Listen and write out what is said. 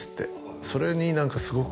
それに何かすごく。